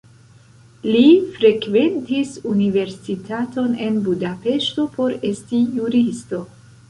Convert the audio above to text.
Li frekventis universitaton en Budapeŝto por esti juristo.